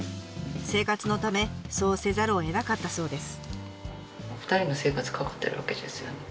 生活のためそうせざるをえなかったそうです。